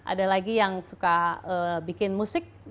ada lagi yang suka bikin musik